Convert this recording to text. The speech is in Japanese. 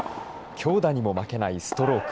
強打にも負けないストローク。